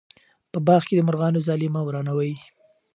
په باغ کې د مرغانو ځالې مه ورانوئ.